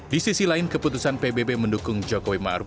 di sisi lain keputusan pbb mendukung jokowi maruf